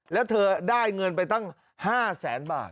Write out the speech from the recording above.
แล้วเธอได้เงินไปตั้ง๕แสนบาท